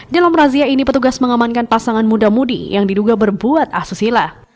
dalam razia ini petugas mengamankan pasangan muda mudi yang diduga berbuat asusila